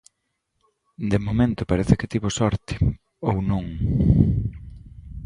De momento parece que tivo sorte, ou non...